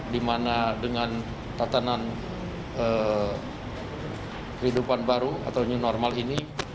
di mana dengan tatanan kehidupan baru atau new normal ini